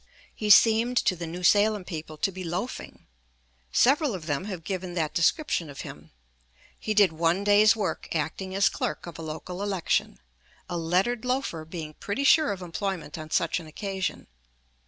He seemed to the New Salem people to be "loafing"; several of them have given that description of him. He did one day's work acting as clerk of a local election, a lettered loafer being pretty sure of employment on such an occasion.